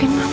ini dia om